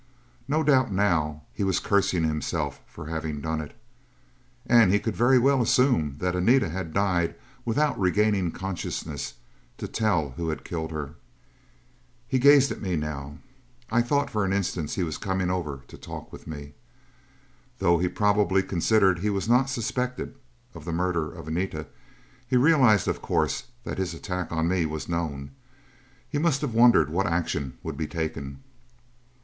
No doubt now he was cursing himself for having done it. And he could very well assume that Anita had died without regaining consciousness to tell who had killed her. He gazed at me now. I thought for an instant he was coming over to talk with me. Though he probably considered he was not suspected of the murder of Anita, he realized, of course, that his attack on me was known. He must have wondered what action would be taken.